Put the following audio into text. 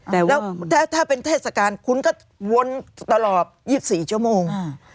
แล้วถ้าเป็นเทศกาลคุณก็วนตลอด๒๔ชั่วโมง